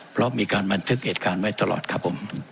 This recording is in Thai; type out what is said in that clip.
เพราะมีการบันทึกเหตุการณ์ไว้ตลอดครับผม